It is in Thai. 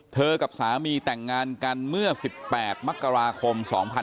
กับสามีแต่งงานกันเมื่อ๑๘มกราคม๒๕๖๒